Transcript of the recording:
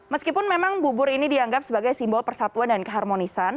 meskipun memang bubur ini dianggap sebagai simbol persatuan dan keharmonisan